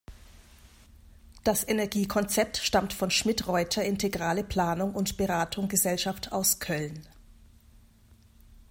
Das Energiekonzept stammt von Schmidt Reuter Integrale Planung und Beratung Gesellschaft aus Köln.